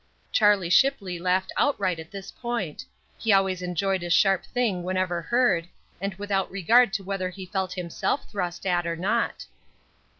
Charlie Shipley laughed outright at this point. He always enjoyed a sharp thing wherever heard, and without regard to whether he felt himself thrust at or not.